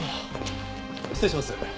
失礼します。